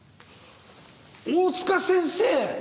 大塚先生！